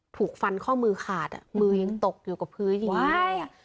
ถูกฟันข้อมือขาดอ่ะมือยังตกอยู่กับพื้นอย่างนี้ใช่